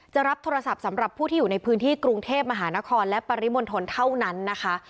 จะรับโทรศัพท์สำหรับผู้ที่อยู่ในพื้นที่กรุงเทพมหานครและปริมณฑลเท่านั้นนะคะ